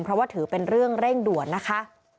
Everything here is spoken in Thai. เพราะว่าถือเป็นเรื่องเร่งด่วนนะคะ